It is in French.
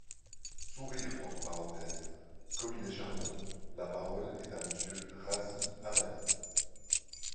(Sourires.) Comme il est charmeur ! La parole est à Monsieur Razzy Hammadi.